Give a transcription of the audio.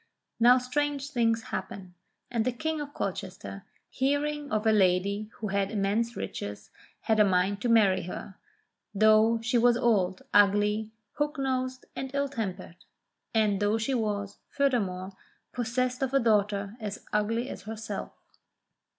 Now strange things happen, and the King of Colchester, hearing of a lady who had immense riches, had a mind to marry her, though she was old, ugly, hook nosed, and ill tempered ; and though she was, furthermore, possessed of a daughter as ugly as herself.